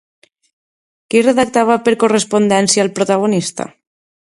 Qui redactava per correspondència al protagonista?